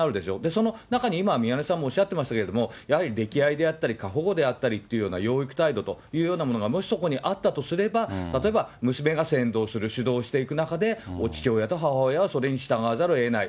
その中に今、宮根さんもおっしゃってましたけど、やはり溺愛であったり過保護であったりというような養育態様というようなものがもしそこにあったとすれば、例えば娘が先導する、主導していく中で、父親と母親はそれに従わざるをえない。